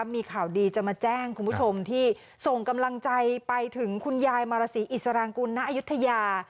มีข่าวดีจะมาแจ้งคุณผู้ชมที่ส่งกำลังใจไปถึงคุณยายมารสีอิสรางกุลณอายุทยา